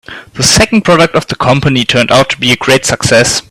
The second product of the company turned out to be a great success.